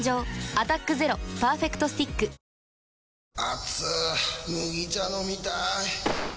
「アタックＺＥＲＯパーフェクトスティック」やさしいマーン！！